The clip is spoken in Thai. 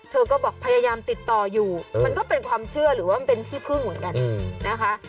เธอก็บอกพยายามติดต่ออยู่มันก็เป็นความเชื่อหรือว่ามันเป็นที่พึ่งเหมือนกันนะคะ